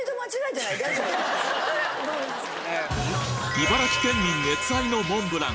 茨城県民熱愛のモンブラン。